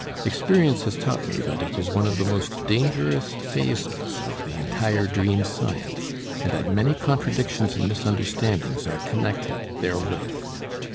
Experience has taught me that it is one of the most dangerous phases of the entire dream science, and that many contradictions and misunderstandings are connected therewith.